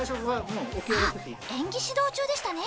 あっ演技指導中でしたね。